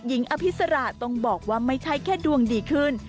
อภิษระต้องบอกว่าไม่ใช่แค่ดวงดีขึ้น